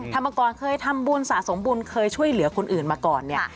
มาก่อนเคยทำบุญสะสมบุญเคยช่วยเหลือคนอื่นมาก่อนเนี่ย